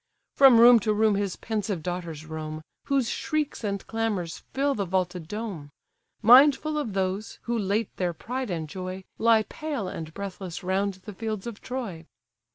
From room to room his pensive daughters roam; Whose shrieks and clamours fill the vaulted dome; Mindful of those, who late their pride and joy, Lie pale and breathless round the fields of Troy!